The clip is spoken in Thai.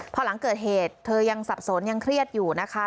พอหลังเกิดเหตุเธอยังสับสนยังเครียดอยู่นะคะ